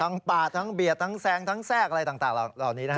ปาดทั้งเบียดทั้งแซงทั้งแทรกอะไรต่างเหล่านี้นะฮะ